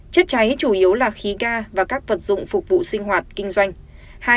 chất cháy chủ yếu là khí ga và các vật dụng phục vụ sinh hoạt kinh doanh